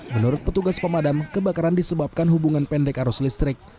menurut petugas pemadam kebakaran disebabkan hubungan pendek arus listrik